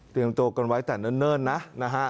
เตรียมตัวกันไว้แต่เนิ่นนะ